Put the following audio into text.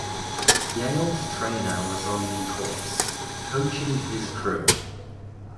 Yale's trainer was on the course, coaching his crew.